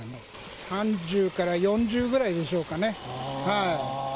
３０から４０ぐらいでしょうかね。